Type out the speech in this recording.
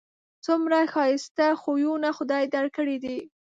څومره ښایسته خویونه خدای در کړي دي